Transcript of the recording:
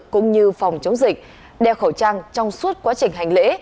cũng như phòng chống dịch đeo khẩu trang trong suốt quá trình hành lễ